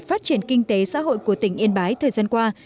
phát triển kinh tế xã hội của tỉnh yên bái thời gian qua